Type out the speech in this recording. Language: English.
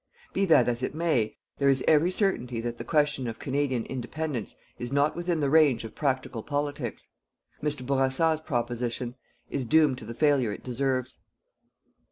Be that as it may, there is every certainty that the question of Canadian Independence is not within the range of practical politics. Mr. Bourassa's proposition is doomed to the failure it deserves.